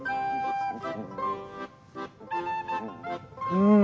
うん！